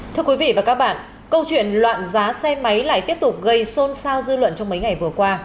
thưa quý vị và các bạn câu chuyện loạn giá xe máy lại tiếp tục gây xôn xao dư luận trong mấy ngày vừa qua